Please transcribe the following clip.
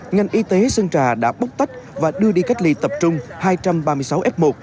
ngành y tế sơn trà đã bốc tách và đưa đi cách ly tập trung hai trăm ba mươi sáu f một